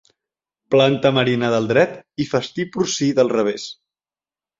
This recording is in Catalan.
Planta marina del dret i festí porcí del revés.